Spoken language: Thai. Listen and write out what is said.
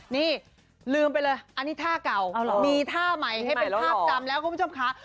นี่ลืมไปเลยอันนี้ท่าเก่ามีท่าใหม่ให้เป็นภาพจำแล้วคุณผู้ชมค่ะ